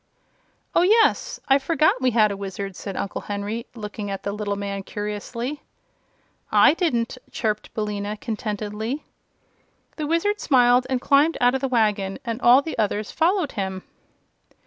"Oh, yes; I forgot we had a Wizard," said Uncle Henry, looking at the little man curiously. "I didn't," chirped Billina, contentedly. The Wizard smiled and climbed out of the wagon, and all the others followed him.